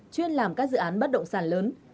chuyên làm các dự án bắt động sản lớn